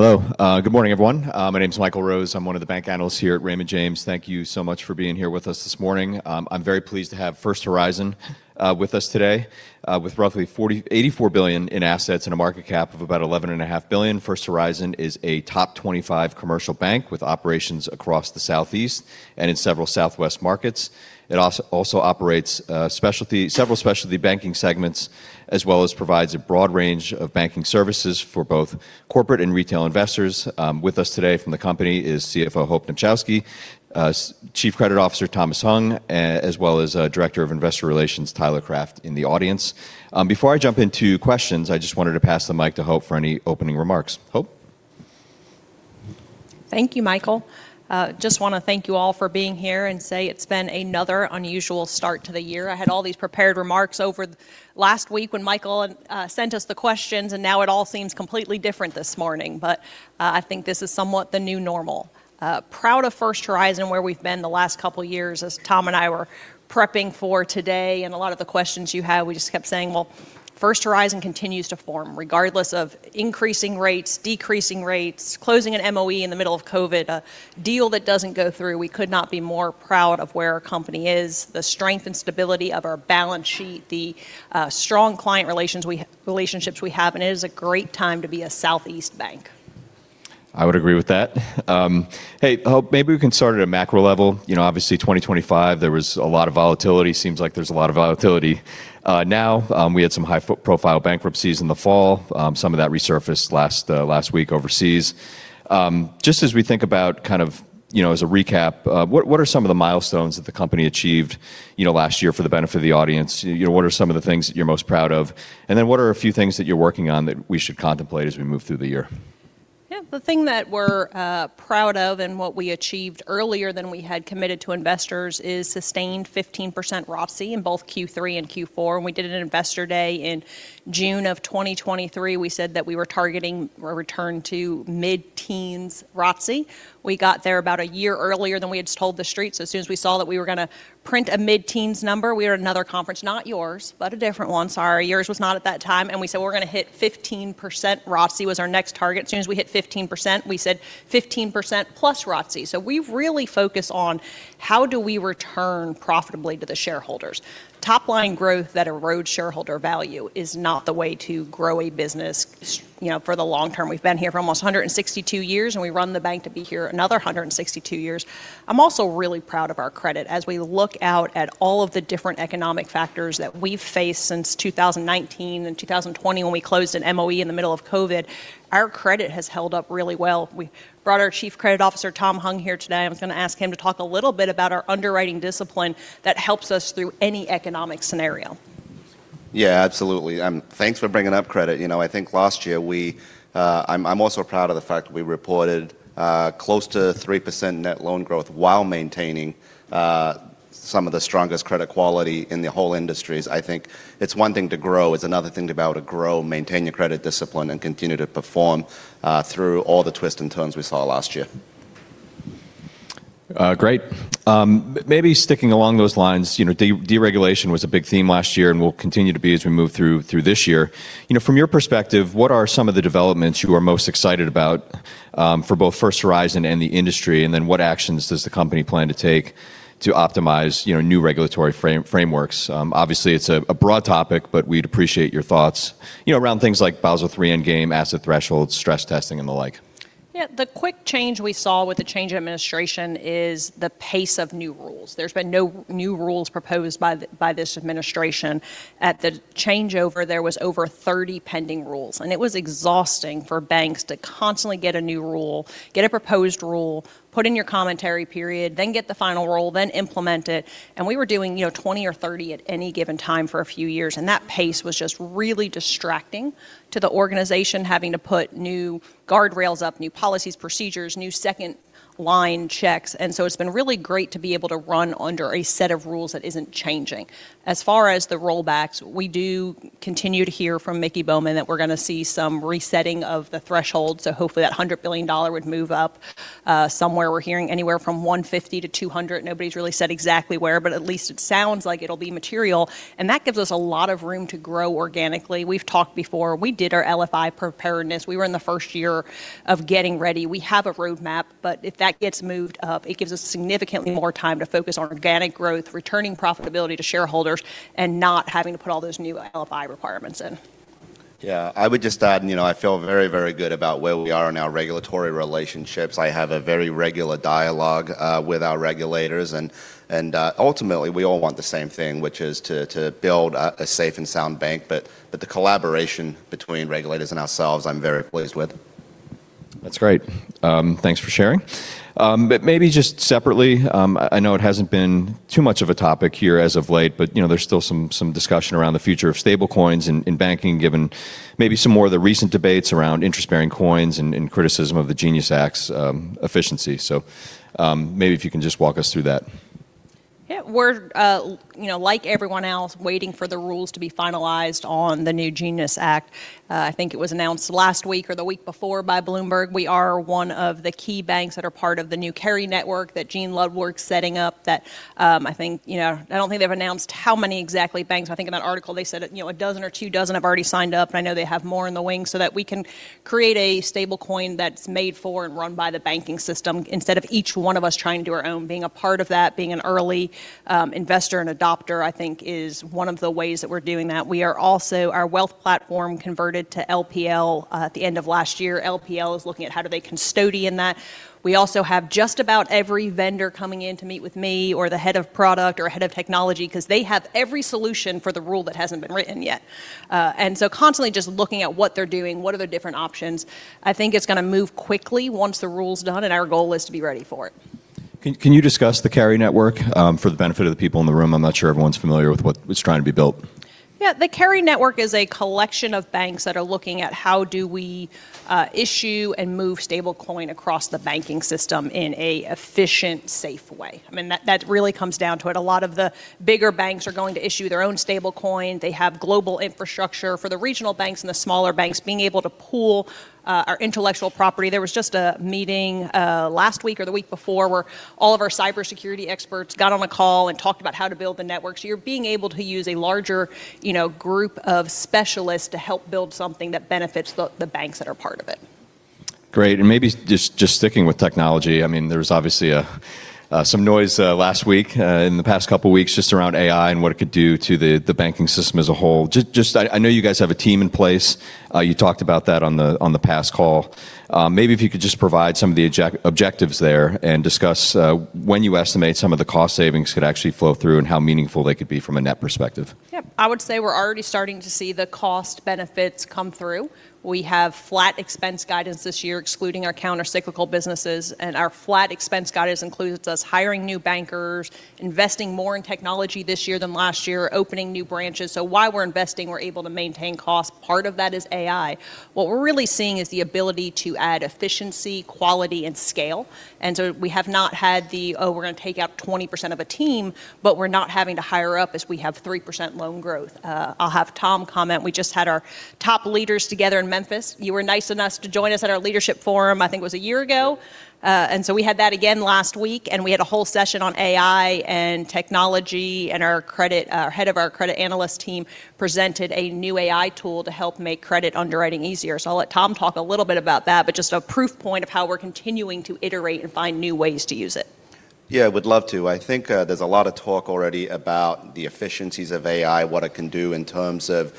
Hello. Good morning, everyone. My name's Michael Rose. I'm one of the bank analysts here at Raymond James. Thank you so much for being here with us this morning. I'm very pleased to have First Horizon with us today. With roughly $84 billion in assets and a market cap of about $eleven and a half billion, First Horizon is a top 25 commercial bank with operations across the southeast and in several southwest markets. It also operates several specialty banking segments as well as provides a broad range of banking services for both corporate and retail investors. With us today from the company is CFO Hope Dmuchowski, Chief Credit Officer Thomas Hung, as well as Director of Investor Relations Tyler Craft in the audience. Before I jump into questions, I just wanted to pass the mic to Hope for any opening remarks. Hope? Thank you, Michael. Just wanna thank you all for being here and say it's been another unusual start to the year. I had all these prepared remarks over last week when Michael sent us the questions. Now it all seems completely different this morning. I think this is somewhat the new normal. Proud of First Horizon, where we've been the last couple years. As Tom and I were prepping for today and a lot of the questions you have, we just kept saying, "Well, First Horizon continues to form regardless of increasing rates, decreasing rates, closing an MOE in the middle of COVID, a deal that doesn't go through." We could not be more proud of where our company is, the strength and stability of our balance sheet, the strong client relationships we have. It is a great time to be a southeast bank. I would agree with that. Hope, maybe we can start at a macro level. You know, obviously, 2025, there was a lot of volatility. Seems like there's a lot of volatility now. We had some high-profile bankruptcies in the fall. Some of that resurfaced last week overseas. Just as we think about kind of, you know, as a recap, what are some of the milestones that the company achieved, you know, last year for the benefit of the audience? You know, what are some of the things that you're most proud of? What are a few things that you're working on that we should contemplate as we move through the year? Yeah. The thing that we're proud of and what we achieved earlier than we had committed to investors is sustained 15% ROIC in both Q3 and Q4. We did an investor day in June of 2023. We said that we were targeting a return to mid-teens ROIC. We got there about a year earlier than we had told the streets. As soon as we saw that we were gonna print a mid-teens number, we were at another conference, not yours, but a different one. Sorry, yours was not at that time. We said we're gonna hit 15% ROIC was our next target. Soon as we hit 15%, we said 15% plus ROIC. We really focus on how do we return profitably to the shareholders. Top line growth that erode shareholder value is not the way to grow a business, you know, for the long term. We've been here for almost 162 years, and we run the bank to be here another 162 years. I'm also really proud of our credit. As we look out at all of the different economic factors that we've faced since 2019 and 2020 when we closed an MOE in the middle of COVID, our credit has held up really well. We brought our Chief Credit Officer, Tom Hung, here today. I was gonna ask him to talk a little bit about our underwriting discipline that helps us through any economic scenario. Yeah, absolutely. Thanks for bringing up credit. You know, I think last year we... I'm also proud of the fact we reported close to 3% net loan growth while maintaining some of the strongest credit quality in the whole industries. I think it's one thing to grow. It's another thing to be able to grow, maintain your credit discipline, and continue to perform through all the twists and turns we saw last year. Great. Maybe sticking along those lines, you know, deregulation was a big theme last year and will continue to be as we move through this year. You know, from your perspective, what are some of the developments you are most excited about, for both First Horizon and the industry, and then what actions does the company plan to take to optimize, you know, new regulatory frameworks? Obviously, it's a broad topic, but we'd appreciate your thoughts, you know, around things like Basel III endgame, asset thresholds, stress testing, and the like. Yeah. The quick change we saw with the change in administration is the pace of new rules. There's been no new rules proposed by this administration. At the changeover, there was over 30 pending rules. It was exhausting for banks to constantly get a new rule, get a proposed rule, put in your commentary period, then get the final rule, then implement it. We were doing, you know, 20 or 30 at any given time for a few years. That pace was just really distracting to the organization having to put new guardrails up, new policies, procedures, new second line checks. It's been really great to be able to run under a set of rules that isn't changing. As far as the rollbacks, we do continue to hear from Miki Bowman that we're gonna see some resetting of the threshold, hopefully that $100 billion would move up somewhere. We're hearing anywhere from $150-$200. Nobody's really said exactly where, at least it sounds like it'll be material. That gives us a lot of room to grow organically. We've talked before. We did our LFI preparedness. We were in the first year of getting ready. We have a roadmap, if that gets moved up, it gives us significantly more time to focus on organic growth, returning profitability to shareholders, and not having to put all those new LFI requirements in. Yeah. I would just add, you know, I feel very, very good about where we are in our regulatory relationships. I have a very regular dialogue with our regulators and ultimately we all want the same thing, which is to build a safe and sound bank. The collaboration between regulators and ourselves, I'm very pleased with. That's great. Thanks for sharing. Maybe just separately, I know it hasn't been too much of a topic here as of late, you know, there's still some discussion around the future of stablecoins in banking, given maybe some more of the recent debates around interest-bearing coins and criticism of the Dodd-Frank Act's efficiency. Maybe if you can just walk us through that. Yeah, we're, you know, like everyone else, waiting for the rules to be finalized on the new Genius Act. I think it was announced last week or the week before by Bloomberg. We are one of the key banks that are part of the new Cary Network that Gene Ludwig's setting up that, I think, you know, I don't think they've announced how many exactly banks. I think in that article they said, you know, a dozen or two dozen have already signed up, and I know they have more in the wings, so that we can create a stablecoin that's made for and run by the banking system instead of each one of us trying to do our own. Being a part of that, being an early investor and adopter, I think is one of the ways that we're doing that. We are also, our wealth platform converted to LPL at the end of last year. LPL is looking at how do they custodian that. We also have just about every vendor coming in to meet with me or the head of product or head of technology because they have every solution for the rule that hasn't been written yet. Constantly just looking at what they're doing, what are their different options. I think it's gonna move quickly once the rule's done, our goal is to be ready for it. Can you discuss the Carry Network for the benefit of the people in the room? I'm not sure everyone's familiar with what was trying to be built. Yeah. The Carry Network is a collection of banks that are looking at how do we issue and move stablecoin across the banking system in an efficient, safe way. I mean, that really comes down to it. A lot of the bigger banks are going to issue their own stablecoin. They have global infrastructure. For the regional banks and the smaller banks, being able to pool our intellectual property. There was just a meeting last week or the week before where all of our cybersecurity experts got on a call and talked about how to build the network. You're being able to use a larger, you know, group of specialists to help build something that benefits the banks that are part of it. Great. Maybe just sticking with technology. I mean, there was obviously some noise last week in the past couple of weeks just around AI and what it could do to the banking system as a whole. Just I know you guys have a team in place. You talked about that on the past call. Maybe if you could just provide some of the objectives there and discuss when you estimate some of the cost savings could actually flow through and how meaningful they could be from a net perspective. Yeah. I would say we're already starting to see the cost benefits come through. We have flat expense guidance this year, excluding our countercyclical businesses, and our flat expense guidance includes us hiring new bankers, investing more in technology this year than last year, opening new branches. While we're investing, we're able to maintain costs. Part of that is AI. What we're really seeing is the ability to add efficiency, quality, and scale. We have not had the, "Oh, we're gonna take out 20% of a team," but we're not having to hire up as we have 3% loan growth. I'll have Tom comment. We just had our top leaders together in Memphis. You were nice enough to join us at our leadership forum, I think it was a year ago. We had that again last week, and we had a whole session on AI and technology, and our credit, our head of our credit analyst team presented a new AI tool to help make credit underwriting easier. I'll let Tom talk a little bit about that, but just a proof point of how we're continuing to iterate and find new ways to use it. Yeah, would love to. I think, there's a lot of talk already about the efficiencies of AI, what it can do in terms of,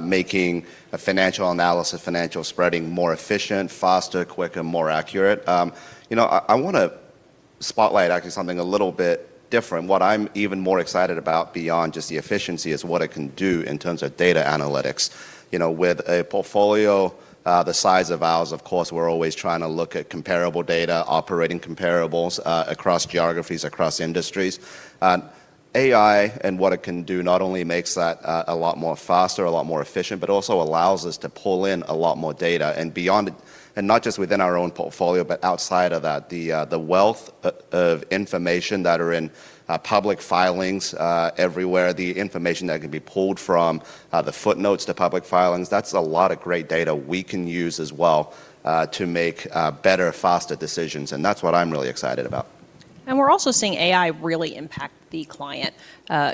making a financial analysis, financial spreading more efficient, faster, quicker, more accurate. you know, I wanna spotlight actually something a little bit different. What I'm even more excited about beyond just the efficiency is what it can do in terms of data analytics. You know, with a portfolio, the size of ours, of course, we're always trying to look at comparable data, operating comparables, across geographies, across industries. AI and what it can do not only makes that, a lot more faster, a lot more efficient, but also allows us to pull in a lot more data and beyond it. Not just within our own portfolio, but outside of that. The wealth of information that are in public filings, everywhere, the information that can be pulled from the footnotes to public filings, that's a lot of great data we can use as well, to make better, faster decisions. That's what I'm really excited about. We're also seeing AI really impact the client.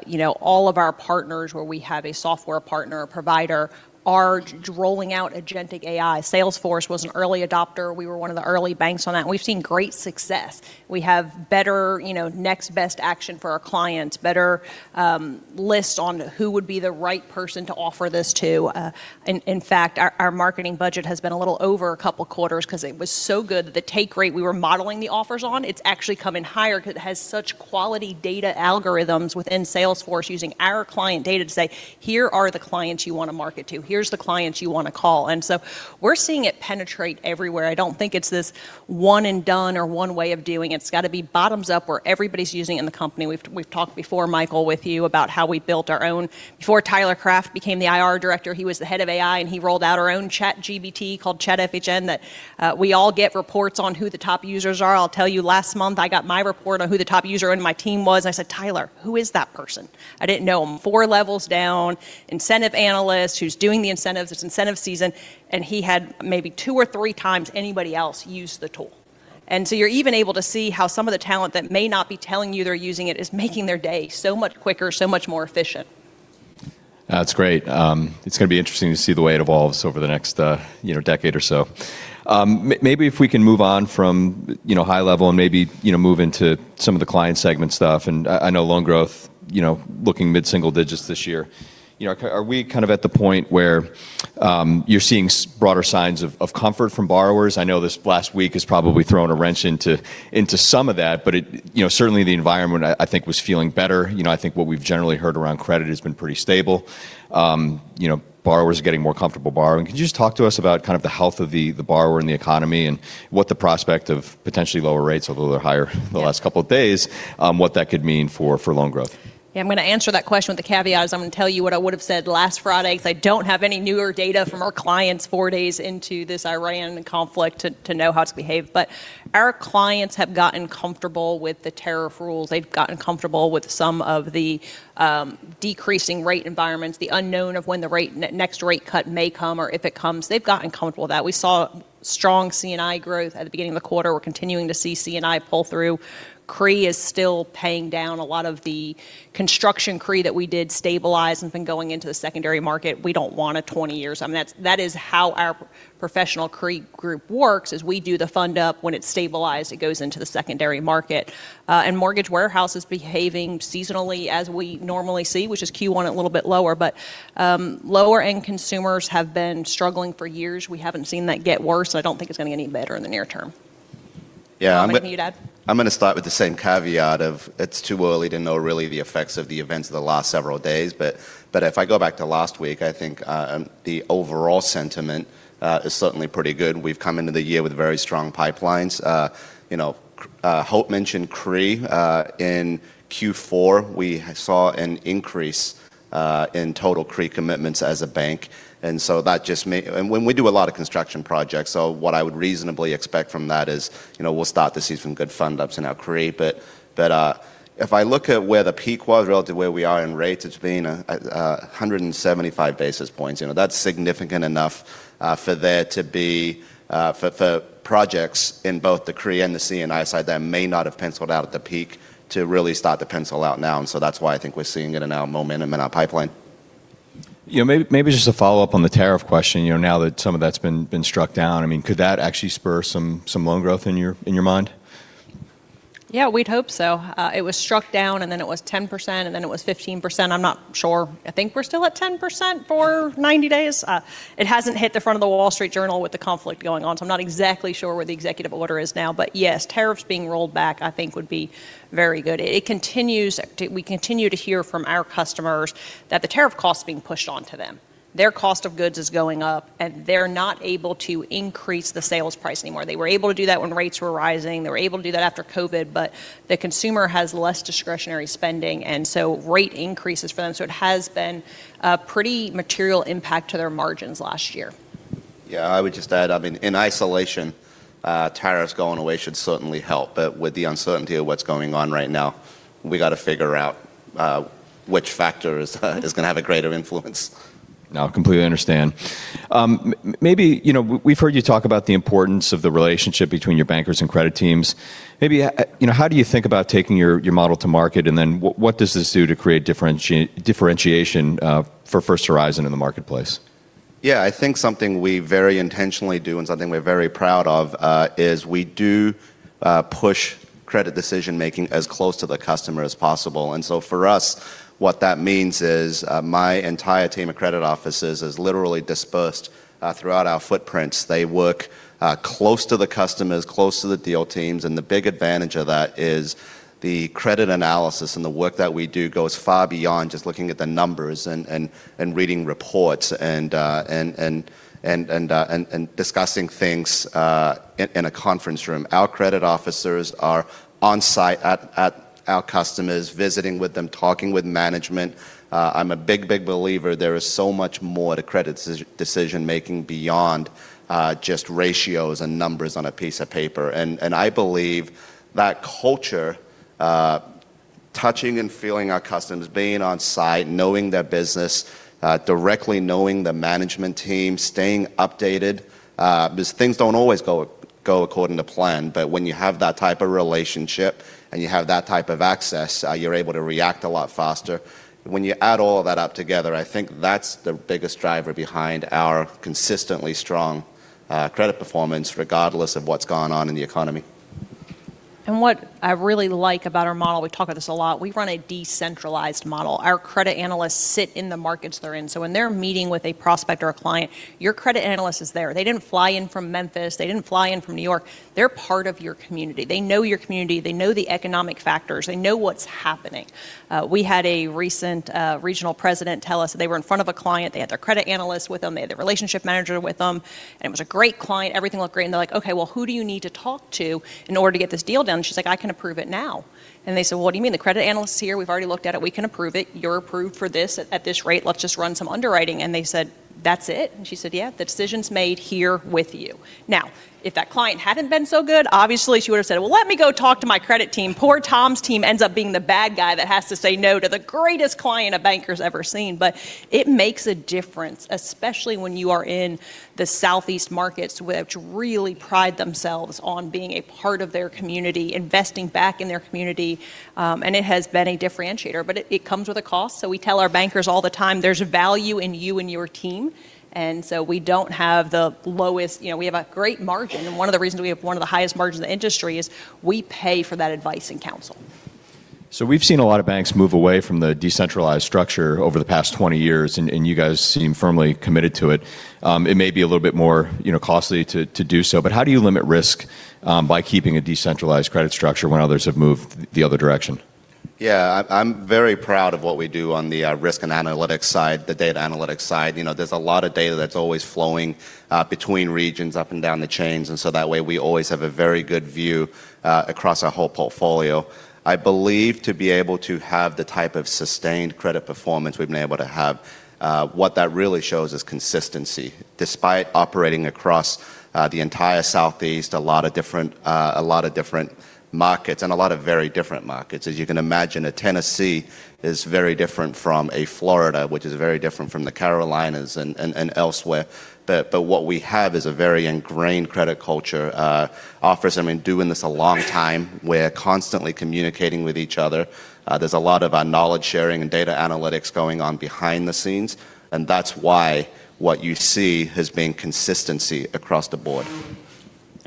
You know, all of our partners where we have a software partner or provider are rolling out generative AI. Salesforce was an early adopter. We were one of the early banks on that, and we've seen great success. We have better, you know, next best action for our clients, better lists on who would be the right person to offer this to. In fact, our marketing budget has been a little over two quarters because it was so good that the take rate we were modeling the offers on, it's actually coming higher because it has such quality data algorithms within Salesforce using our client data to say, "Here are the clients you want to market to. Here's the clients you want to call." So we're seeing it penetrate everywhere. I don't think it's this one and done or one way of doing it. It's got to be bottoms up where everybody's using it in the company. We've talked before, Michael, with you about how we built our own. Before Tyler Craft became the IR director, he was the head of AI, and he rolled out our own ChatGPT called ChatFHN that we all get reports on who the top users are. I'll tell you, last month I got my report on who the top user on my team was. I said, "Tyler, who is that person?" I didn't know him. Four levels down, incentive analyst who's doing the incentives. It's incentive season. He had maybe two or three times anybody else use the tool. You're even able to see how some of the talent that may not be telling you they're using it is making their day so much quicker, so much more efficient. That's great. It's gonna be interesting to see the way it evolves over the next, you know, decade or so. Maybe if we can move on from, you know, high level and maybe, you know, move into some of the client segment stuff. I know loan growth, you know, looking mid-single digits this year. Are we kind of at the point where, you're seeing broader signs of comfort from borrowers? I know this last week has probably thrown a wrench into some of that, but it, you know, certainly the environment I think was feeling better. You know, I think what we've generally heard around credit has been pretty stable. You know, borrowers are getting more comfortable borrowing. Can you just talk to us about kind of the health of the borrower and the economy and what the prospect of potentially lower rates, although they're higher the last couple of days, what that could mean for loan growth? Yeah, I'm gonna answer that question with a caveat, is I'm gonna tell you what I would have said last Friday because I don't have any newer data from our clients four days into this Iran conflict to know how it's behaved. Our clients have gotten comfortable with the tariff rules. They've gotten comfortable with some of the decreasing rate environments, the unknown of when the next rate cut may come or if it comes. They've gotten comfortable with that. We saw strong C&I growth at the beginning of the quarter. We're continuing to see C&I pull through. CRE is still paying down a lot of the construction CRE that we did stabilize and has been going into the secondary market. We don't want a 20 years. I mean, that's, that is how our professional CRE group works, is we do the fund up. When it's stabilized, it goes into the secondary market. mortgage warehouse is behaving seasonally as we normally see, which is Q1 a little bit lower. lower-end consumers have been struggling for years. We haven't seen that get worse, so I don't think it's gonna get any better in the near term. Yeah. Anything you'd add? I'm gonna start with the same caveat of it's too early to know really the effects of the events of the last several days. If I go back to last week, I think, the overall sentiment is certainly pretty good. We've come into the year with very strong pipelines. You know, Hope mentioned CRE. In Q4, we saw an increase in total CRE commitments as a bank, and so that just and when we do a lot of construction projects, so what I would reasonably expect from that is, you know, we'll start to see some good fund ups in our CRE. If I look at where the peak was relative to where we are in rates, it's been 175 basis points. You know, that's significant enough, for there to be, for projects in both the CRE and the C&I side that may not have penciled out at the peak to really start to pencil out now. That's why I think we're seeing it in our momentum in our pipeline. You know, maybe just a follow-up on the tariff question. You know, now that some of that's been struck down, I mean, could that actually spur some loan growth in your mind? Yeah, we'd hope so. It was struck down, and then it was 10%, and then it was 15%. I'm not sure. I think we're still at 10% for 90 days. It hasn't hit the front of the Wall Street Journal with the conflict going on, so I'm not exactly sure where the executive order is now. Yes, tariffs being rolled back, I think would be very good. We continue to hear from our customers that the tariff cost is being pushed onto them. Their cost of goods is going up, and they're not able to increase the sales price anymore. They were able to do that when rates were rising. They were able to do that after COVID. The consumer has less discretionary spending and so rate increases for them. It has been a pretty material impact to their margins last year. Yeah, I would just add, I mean, in isolation, tariffs going away should certainly help. With the uncertainty of what's going on right now, we gotta figure out, which factor is gonna have a greater influence. No, completely understand. maybe, you know, we've heard you talk about the importance of the relationship between your bankers and credit teams. Maybe, you know, how do you think about taking your model to market? Then what does this do to create differentiation for First Horizon in the marketplace? Yeah. I think something we very intentionally do and something we're very proud of, is we do push credit decision-making as close to the customer as possible. For us, what that means is, my entire team of credit officers is literally dispersed throughout our footprints. They work close to the customers, close to the deal teams. The big advantage of that is the credit analysis and the work that we do goes far beyond just looking at the numbers and reading reports and discussing things in a conference room. Our credit officers are on-site at our customers, visiting with them, talking with management. I'm a big believer there is so much more to credit decision-making beyond just ratios and numbers on a piece of paper. I believe that culture, touching and feeling our customers, being on-site, knowing their business, directly knowing the management team, staying updated, 'cause things don't always go according to plan. When you have that type of relationship, and you have that type of access, you're able to react a lot faster. When you add all of that up together, I think that's the biggest driver behind our consistently strong, credit performance, regardless of what's gone on in the economy. What I really like about our model, we talk about this a lot, we run a decentralized model. Our credit analysts sit in the markets they're in. When they're meeting with a prospect or a client, your credit analyst is there. They didn't fly in from Memphis. They didn't fly in from New York. They're part of your community. They know your community. They know the economic factors. They know what's happening. We had a recent regional president tell us that they were in front of a client. They had their credit analyst with them. They had their relationship manager with them, and it was a great client. Everything looked great, and they're like, "Okay, well, who do you need to talk to in order to get this deal done?" She's like, "I can approve it now." They said, "What do you mean? The credit analyst's here. We've already looked at it. We can approve it. You're approved for this at this rate. Let's just run some underwriting." They said, "That's it?" She said, "Yeah. The decision's made here with you." If that client hadn't been so good, obviously she would've said, "Well, let me go talk to my credit team." Poor Tom's team ends up being the bad guy that has to say no to the greatest client a banker's ever seen. It makes a difference, especially when you are in the southeast markets which really pride themselves on being a part of their community, investing back in their community, and it has been a differentiator. It comes with a cost, so we tell our bankers all the time, "There's value in you and your team." We don't have the lowest... You know, we have a great margin. One of the reasons we have one of the highest margins in the industry is we pay for that advice and counsel. We've seen a lot of banks move away from the decentralized structure over the past 20 years, and you guys seem firmly committed to it. It may be a little bit more, you know, costly to do so, but how do you limit risk, by keeping a decentralized credit structure when others have moved the other direction? Yeah. I'm very proud of what we do on the risk and analytics side, the data analytics side. You know, there's a lot of data that's always flowing between regions up and down the chains, and so that way we always have a very good view across our whole portfolio. I believe to be able to have the type of sustained credit performance we've been able to have, what that really shows is consistency. Despite operating across the entire Southeast, a lot of different, a lot of different markets and a lot of very different markets. As you can imagine, a Tennessee is very different from a Florida, which is very different from the Carolinas and elsewhere. What we have is a very ingrained credit culture. Officers have been doing this a long time. We're constantly communicating with each other. There's a lot of knowledge sharing and data analytics going on behind the scenes, and that's why what you see has been consistency across the board.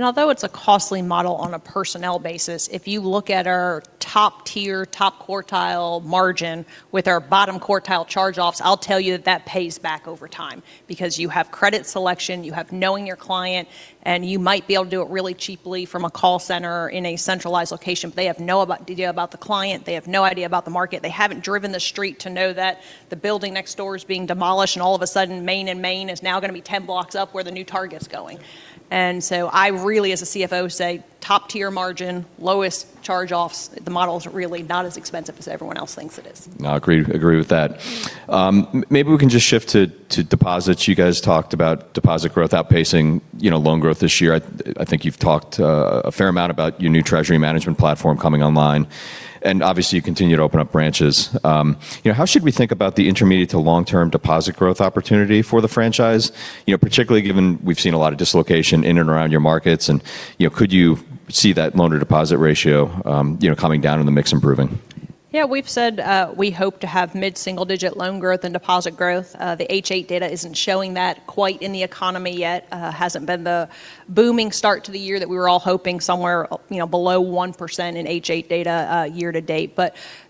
Although it's a costly model on a personnel basis, if you look at our top-tier, top-quartile margin with our bottom-quartile charge-offs, I'll tell you that that pays back over time because you have credit selection, you have knowing your client, and you might be able to do it really cheaply from a call center in a centralized location, but they have no idea about the client. They have no idea about the market. They haven't driven the street to know that the building next door is being demolished, and all of a sudden, Main and Main is now gonna be 10 blocks up where the new Target's going. I really, as a CFO, say top-tier margin, lowest charge-offs. The model is really not as expensive as everyone else thinks it is. No, I agree with that. Maybe we can just shift to deposits. You guys talked about deposit growth outpacing, you know, loan growth this year. I think you've talked a fair amount about your new treasury management platform coming online, and obviously you continue to open up branches. You know, how should we think about the intermediate to long-term deposit growth opportunity for the franchise? You know, particularly given we've seen a lot of dislocation in and around your markets and, you know, could you see that loan-to-deposit ratio, you know, coming down and the mix improving? Yeah, we've said, we hope to have mid-single-digit loan growth and deposit growth. The H8 data isn't showing that quite in the economy yet. Hasn't been the booming start to the year that we were all hoping, somewhere, you know, below 1% in H8 data, year to date.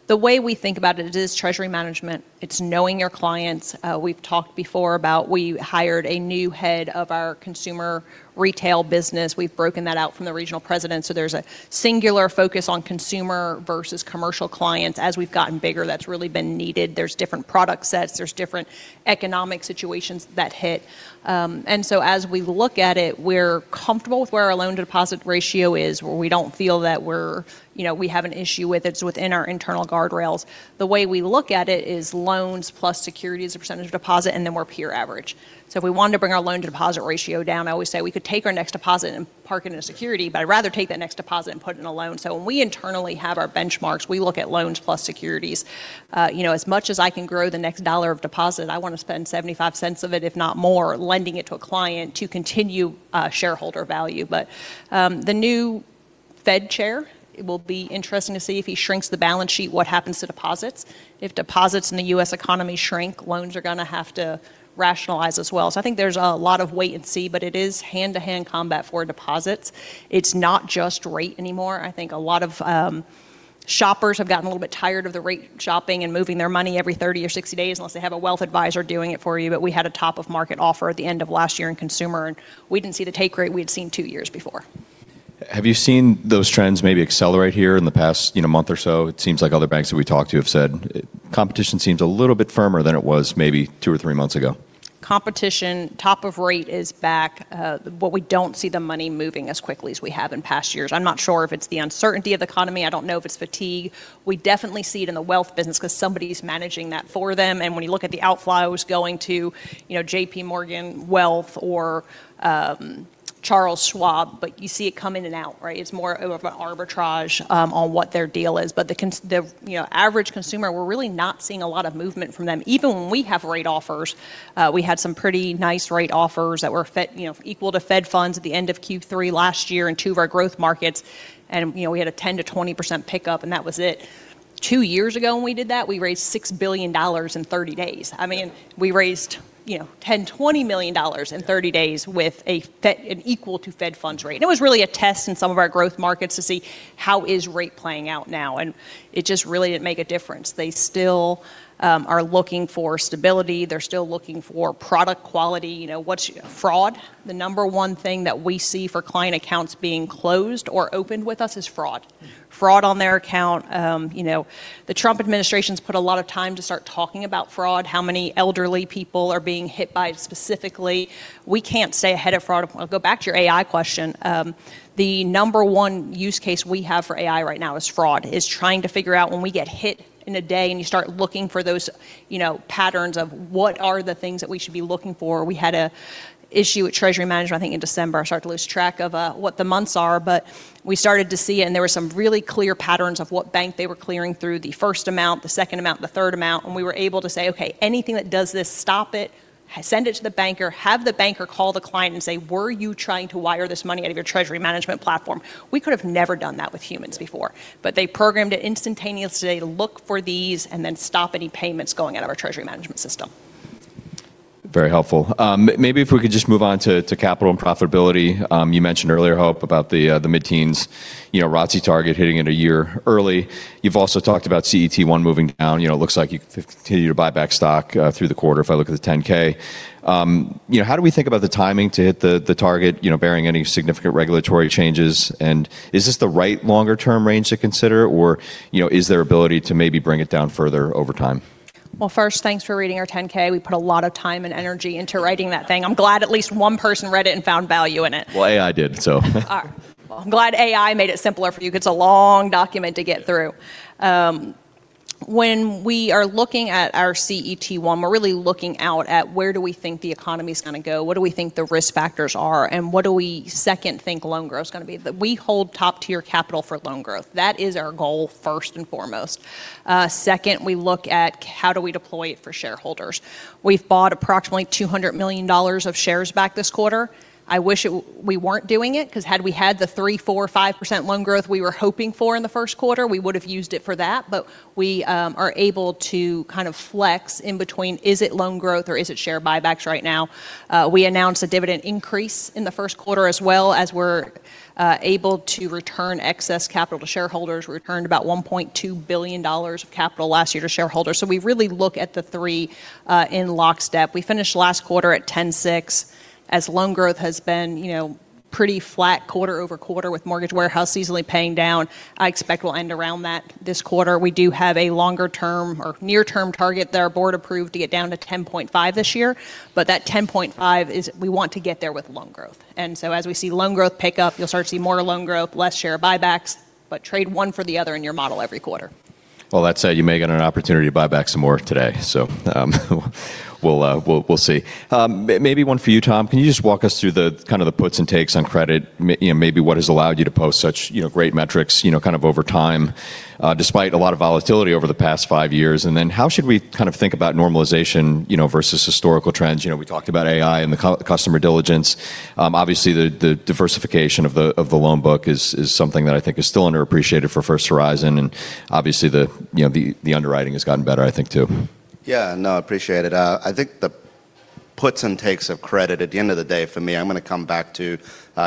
The way we think about it is treasury management. It's knowing your clients. We've talked before about we hired a new head of our consumer retail business. We've broken that out from the regional president, so there's a singular focus on consumer versus commercial clients. As we've gotten bigger, that's really been needed. There's different product sets. There's different economic situations that hit. As we look at it, we're comfortable with where our loan-to-deposit ratio is, where we don't feel that we're, you know, we have an issue with it. It's within our internal guardrails. The way we look at it is loans plus securities as a % of deposit, we're peer average. If we wanted to bring our loan-to-deposit ratio down, I always say we could take our next deposit and park it in a security, I'd rather take that next deposit and put it in a loan. When we internally have our benchmarks, we look at loans plus securities. you know, as much as I can grow the next dollar of deposit, I want to spend $0.75 of it, if not more, lending it to a client to continue shareholder value. The new Fed chair, it will be interesting to see if he shrinks the balance sheet, what happens to deposits. If deposits in the U.S. economy shrink, loans are gonna have to rationalize as well. I think there's a lot of wait and see, but it is hand-to-hand combat for deposits. It's not just rate anymore. I think a lot of shoppers have gotten a little bit tired of the rate shopping and moving their money every 30 or 60 days unless they have a wealth advisor doing it for you. We had a top of market offer at the end of last year in consumer, and we didn't see the take rate we had seen two years before. Have you seen those trends maybe accelerate here in the past, you know, month or so? It seems like other banks that we talked to have said competition seems a little bit firmer than it was maybe two or three months ago. Competition, top of rate is back. We don't see the money moving as quickly as we have in past years. I'm not sure if it's the uncertainty of the economy. I don't know if it's fatigue. We definitely see it in the wealth business because somebody's managing that for them, and when you look at the outflows going to, you know, J.P. Morgan Wealth or Charles Schwab, but you see it come in and out, right? It's more of an arbitrage on what their deal is. The, you know, average consumer, we're really not seeing a lot of movement from them, even when we have rate offers. We had some pretty nice rate offers that were, you know, equal to Fed funds at the end of Q3 last year in two of our growth markets, you know, we had a 10%-20% pickup, and that was it. Two years ago when we did that, we raised $6 billion in 30 days. I mean, we raised, you know, $10 million-$20 million in 30 days with a Fed, an equal to Fed funds rate. It was really a test in some of our growth markets to see how is rate playing out now, it just really didn't make a difference. They still are looking for stability. They're still looking for product quality. You know, what's fraud? The number one thing that we see for client accounts being closed or opened with us is fraud. Fraud on their account. You know, the Trump administration's put a lot of time to start talking about fraud, how many elderly people are being hit by it specifically. We can't stay ahead of fraud. I'll go back to your AI question. The number one use case we have for AI right now is fraud, is trying to figure out when we get hit in a day and you start looking for those, you know, patterns of what are the things that we should be looking for. We had an issue with treasury management, I think in December. I start to lose track of what the months are, but we started to see it, and there were some really clear patterns of what bank they were clearing through, the first amount, the second amount, the third amount, and we were able to say, "Okay, anything that does this, stop it. Send it to the banker. Have the banker call the client and say, 'Were you trying to wire this money out of your treasury management platform?'". We could have never done that with humans before. They programmed it instantaneously to look for these and then stop any payments going out of our treasury management system. Very helpful. If we could just move on to capital and profitability. You mentioned earlier, Hope, about the mid-teens, you know, ROTCE target hitting it a year early. You've also talked about CET1 moving down. You know, it looks like you continue to buy back stock through the quarter if I look at the 10-K. You know, how do we think about the timing to hit the target, you know, barring any significant regulatory changes? Is this the right longer-term range to consider? You know, is there ability to maybe bring it down further over time? Well, first, thanks for reading our 10-K. We put a lot of time and energy into writing that thing. I'm glad at least one person read it and found value in it. Well, AI did, so. All right. Well, I'm glad AI made it simpler for you because it's a long document to get through. When we are looking at our CET1, we're really looking out at where do we think the economy's gonna go, what do we think the risk factors are, and what do we second think loan growth's gonna be. We hold top-tier capital for loan growth. That is our goal first and foremost. Second, we look at how do we deploy it for shareholders. We've bought approximately $200 million of shares back this quarter. I wish it we weren't doing it, because had we had the 3%, 4%, 5% loan growth we were hoping for in the first quarter, we would have used it for that. We are able to kind of flex in between is it loan growth or is it share buybacks right now. We announced a dividend increase in the first quarter as well as we're able to return excess capital to shareholders. We returned about $1.2 billion of capital last year to shareholders. We really look at the three in lockstep. We finished last quarter at 10.6 as loan growth has been, you know, pretty flat quarter-over-quarter with mortgage warehouse easily paying down. I expect we'll end around that this quarter. We do have a longer term or near-term target that our board approved to get down to 10.5 this year. That 10.5 is we want to get there with loan growth. As we see loan growth pick up, you'll start to see more loan growth, less share buybacks, but trade one for the other in your model every quarter. That said, you may get an opportunity to buy back some more today. We'll see. Maybe one for you, Tom. Can you just walk us through the kind of the puts and takes on credit? You know, maybe what has allowed you to post such, you know, great metrics, you know, kind of over time, despite a lot of volatility over the past five years. How should we kind of think about normalization, you know, versus historical trends? You know, we talked about AI and the customer diligence. Obviously the diversification of the loan book is something that I think is still underappreciated for First Horizon. Obviously the, you know, the underwriting has gotten better, I think, too. Yeah, no, appreciate it. I think the puts and takes of credit at the end of the day for me, I'm gonna come back to,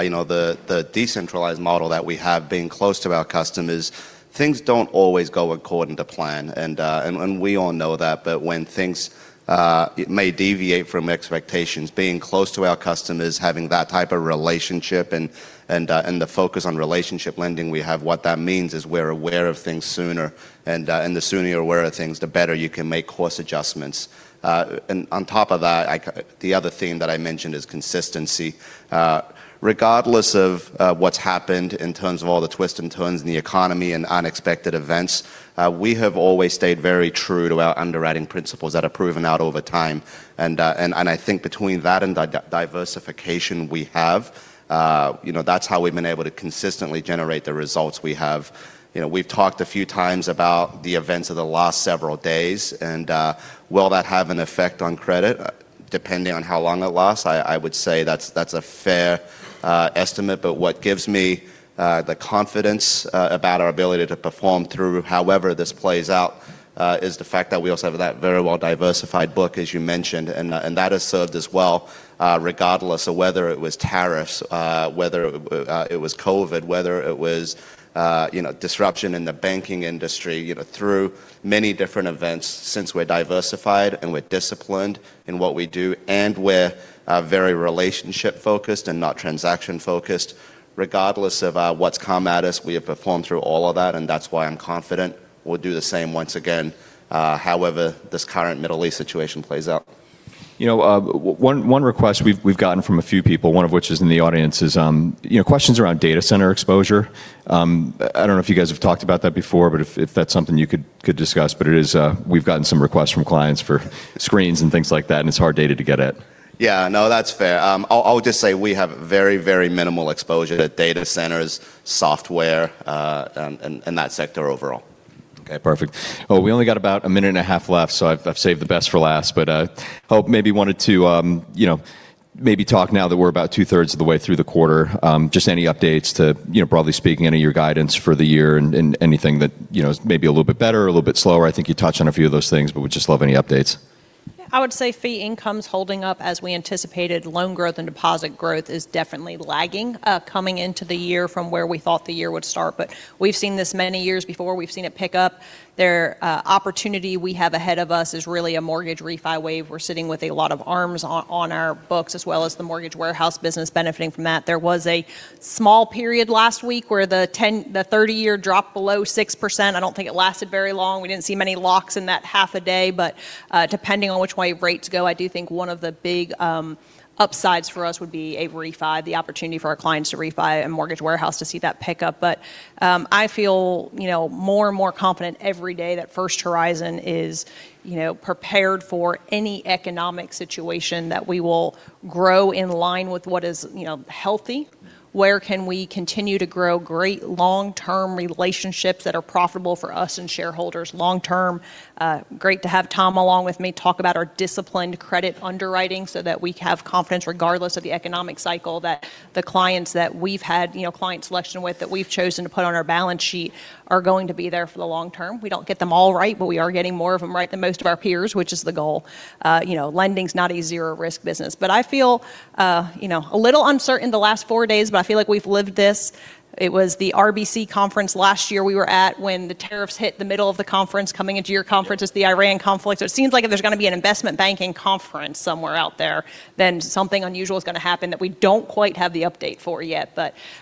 you know, the decentralized model that we have being close to our customers. Things don't always go according to plan and we all know that. When things may deviate from expectations, being close to our customers, having that type of relationship and the focus on relationship lending we have, what that means is we're aware of things sooner and the sooner you're aware of things, the better you can make course adjustments. On top of that, the other theme that I mentioned is consistency. Regardless of what's happened in terms of all the twists and turns in the economy and unexpected events, we have always stayed very true to our underwriting principles that have proven out over time. I think between that and diversification we have, you know, that's how we've been able to consistently generate the results we have. You know, we've talked a few times about the events of the last several days and will that have an effect on credit? Depending on how long it lasts, I would say that's a fair estimate. What gives me the confidence about our ability to perform through however this plays out is the fact that we also have that very well diversified book, as you mentioned, and that has served us well, regardless of whether it was tariffs, whether it was COVID, whether it was, you know, disruption in the banking industry, you know, through many different events. Since we're diversified and we're disciplined in what we do and we're very relationship-focused and not transaction-focused, regardless of what's come at us, we have performed through all of that and that's why I'm confident we'll do the same once again, however this current Middle East situation plays out. You know, one request we've gotten from a few people, one of which is in the audience, is, you know, questions around data center exposure. I don't know if you guys have talked about that before, if that's something you could discuss. It is, we've gotten some requests from clients for screens and things like that, and it's hard data to get at. Yeah. No, that's fair. I'll just say we have very minimal exposure to data centers, software, in that sector overall. Okay. Perfect. Well, we only got about a minute and a half left, so I've saved the best for last. Hope maybe wanted to, you know, maybe talk now that we're about two-thirds of the way through the quarter. Just any updates to, you know, broadly speaking, any of your guidance for the year and anything that, you know, is maybe a little bit better or a little bit slower. I think you touched on a few of those things, but would just love any updates. Yeah, I would say fee income's holding up as we anticipated. Loan growth and deposit growth is definitely lagging, coming into the year from where we thought the year would start. We've seen this many years before. We've seen it pick up. Their opportunity we have ahead of us is really a mortgage refi wave. We're sitting with a lot of arms on our books as well as the mortgage warehouse business benefiting from that. There was a small period last week where the 30-year dropped below 6%. I don't think it lasted very long. We didn't see many locks in that half a day. Depending on which way rates go, I do think one of the big upsides for us would be a refi, the opportunity for our clients to refi and mortgage warehouse to see that pick up. I feel, you know, more and more confident every day that First Horizon is, you know, prepared for any economic situation that we will grow in line with what is, you know, healthy. Where can we continue to grow great long-term relationships that are profitable for us and shareholders long term? Great to have Tom along with me talk about our disciplined credit underwriting so that we have confidence regardless of the economic cycle that the clients that we've had, you know, client selection with, that we've chosen to put on our balance sheet are going to be there for the long term. We don't get them all right, but we are getting more of them right than most of our peers, which is the goal. You know, lending's not a zero risk business. I feel, you know, a little uncertain the last four days, but I feel like we've lived this. It was the RBC conference last year we were at when the tariffs hit the middle of the conference coming into your conference. It's the Iran conflict. It seems like if there's gonna be an investment banking conference somewhere out there, then something unusual is gonna happen that we don't quite have the update for yet.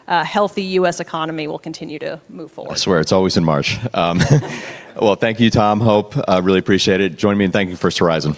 A healthy U.S. economy will continue to move forward. I swear it's always in March. Well, thank you Tom, Hope. I really appreciate it. Join me in thanking First Horizon.